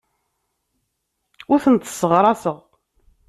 Ur tent-sseɣraseɣ.